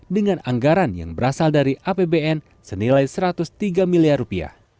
dengan anggaran yang berasal dari apbn senilai satu ratus tiga miliar rupiah